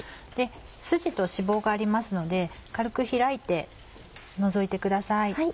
スジと脂肪がありますので軽くひらいて除いてください。